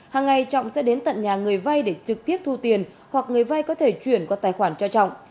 hàng ngày trọng sẽ đến tận nhà người vay để trực tiếp thu tiền hoặc người vay có thể chuyển qua tài khoản cho trọng